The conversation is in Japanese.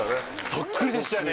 そっくりでしたよね。